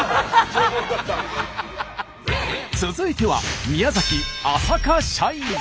続いては宮崎浅香社員。